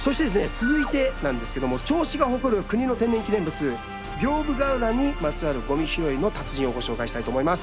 続いてなんですけども銚子が誇る国の天然記念物屏風ヶ浦にまつわるごみ拾いの達人をご紹介したいと思います。